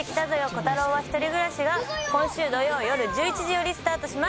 コタローは１人暮らし』が今週土曜よる１１時よりスタートします。